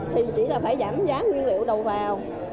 thì chỉ là phải giảm giá nguyên liệu đầu vào